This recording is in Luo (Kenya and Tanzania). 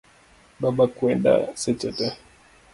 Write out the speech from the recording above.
Baba kweda seche tee.